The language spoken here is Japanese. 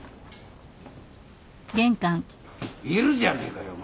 いるじゃねえかよ全くよ。